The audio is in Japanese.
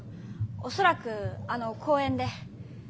恐らくあの公園で。